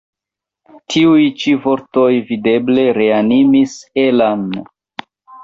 Tiuj ĉi vortoj videble reanimis Ella'n.